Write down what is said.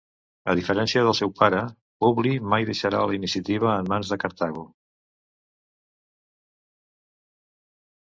A diferència del seu pare, Publi mai deixarà la iniciativa en mans de Cartago.